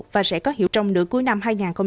và sẽ có hiệu trong nửa cuối năm hai nghìn hai mươi